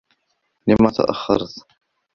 لم تأخّرت؟